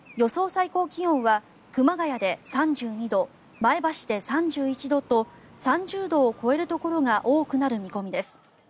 最高気温は熊谷で３２度、前橋で３１度と３０度を超えるところが多くなる見込みです。